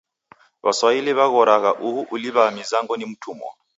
W'aswahili w'aghoragha uhu uliw'agha mizango ni mtumwa!